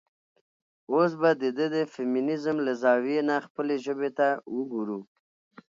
اوس به د د فيمينزم له زاويې نه خپلې ژبې ته وګورو.